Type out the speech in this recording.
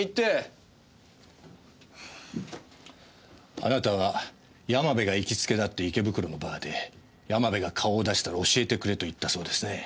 あなたは山部が行きつけだった池袋のバーで山部が顔を出したら教えてくれと言ったそうですね。